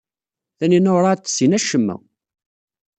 Taninna werɛad tessin acemma.